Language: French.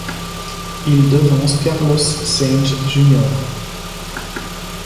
Il devance Carlos Sainz Jr.